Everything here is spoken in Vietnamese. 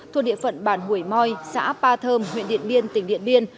thuộc địa phận bản hủy môi xã ba thơm huyện điện biên tỉnh điện biên